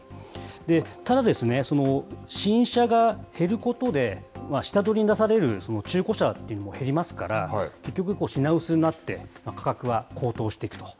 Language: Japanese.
ただですね、その新車が減ることで、下取りに出される中古車っていうのも減りますから、結局、品薄になって、価格は高騰していくと。